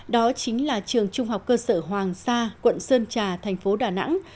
đó chính là trường trung học cơ sở hoàng sa quận sơn trà thành phố đà nẵng